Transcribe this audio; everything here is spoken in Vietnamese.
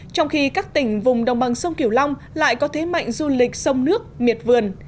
trong khi các tỉnh vùng đồng bằng sông kiểu long lại có thế mạnh du lịch sông nước miệt vườn